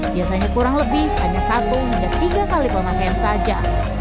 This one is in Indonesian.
biasanya kurang lebih hanya satu hingga tiga kali pemakaian saja